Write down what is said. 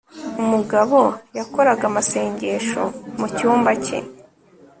umugabo yakoraga amasengesho mucyumba cye